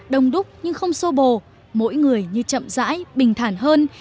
đông đúc nhưng không sô bồ mỗi người như chậm rãi bình thản hơn